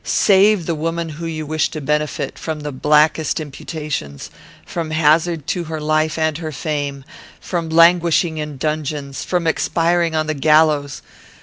Save the woman whom you wish to benefit, from the blackest imputations; from hazard to her life and her fame; from languishing in dungeons; from expiring on the gallows!